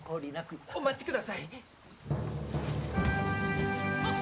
お待ちください！